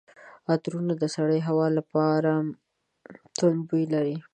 عطرونه د سړې هوا لپاره توند بوی لري.